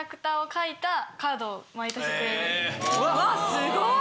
すごい！